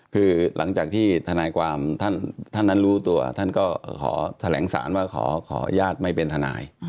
คือหลังจากที่ทนายความท่านนั้นรู้ตัวท่านก็ขอแถลงสารว่าขออนุญาตไม่เป็นทนาย